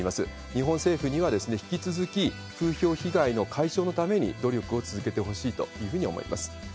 日本政府には、引き続き風評被害の解消のために努力を続けてほしいというふうに思います。